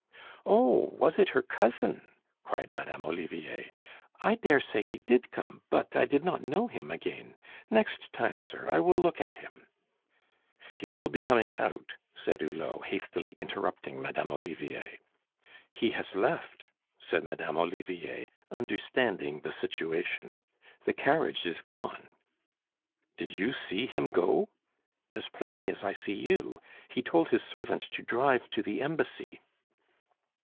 "Oh! Was it her cousin?" cried Madame Olivier. "I dare say he did come, but I did not know him again. Next time, sir, I will look at him " "He will be coming out," said Hulot, hastily interrupting Madame Olivier. "He has left," said Madame Olivier, understanding the situation. "The carriage is gone." "Did you see him go?" "As plainly as I see you. He told his servant to drive to the Embassy."